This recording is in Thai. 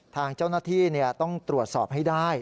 ทางเจ้าหน้าที่ต้องตรวจสอบให้ได้